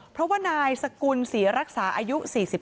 ทุกว่านายสกุลศรีรักษาอายุ๔๙